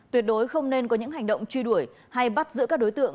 tuyệt đối không nên có những hành động truy đuổi hay bắt giữ các đối tượng